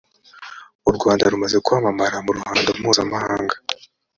u rwanda rumaze kwa mamara mu ruhando mpuzamahanga